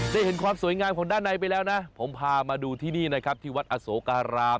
ได้เห็นความสวยงามของด้านในไปแล้วนะผมพามาดูที่นี่นะครับที่วัดอโสการาม